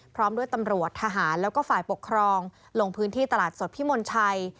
พร้อมด้วยตำรวจทหารแล้วก็ฝ่ายปกครองลงพื้นที่ตลาดสดพิมลชัย